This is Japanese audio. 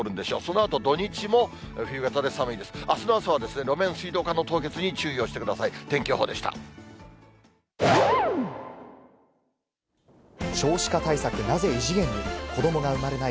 あすの朝は路面、水道管の凍結に注意をしてください。